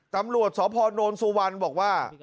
ตำรวจสพนสุวรรณบอกว่า